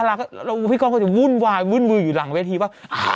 แล้วพี่ก้องก็จะวุ่นวายวุ่นมืออยู่หลังเวทีว่า